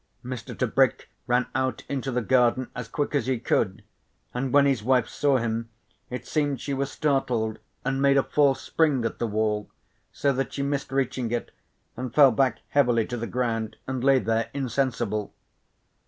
Mr. Tebrick ran out into the garden as quick as he could, and when his wife saw him it seemed she was startled and made a false spring at the wall, so that she missed reaching it and fell back heavily to the ground and lay there insensible.